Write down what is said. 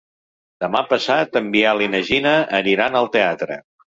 Demà passat en Biel i na Gina aniran al teatre.